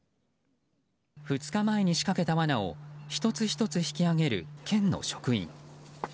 ２日前に仕掛けたわなを１つ１つ引き上げる県の職員。